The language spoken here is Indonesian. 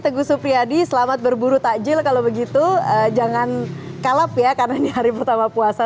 teguh supriyadi selamat berburu takjil kalau begitu jangan kalap ya karena ini hari pertama puasa